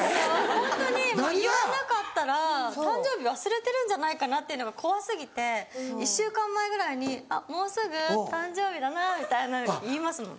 ホントに言わなかったら誕生日忘れてるんじゃないかなっていうのが怖過ぎて１週間前ぐらいに「あっもうすぐ誕生日だな」みたいな言いますもん。